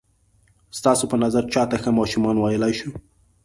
ستاسو په نظر چاته ښه ماشومان ویلای شو؟